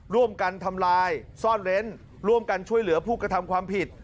ร่วมกันทำลายซ่อนเร้นร่วมกันช่วยเหลือผู้กระทำความผิด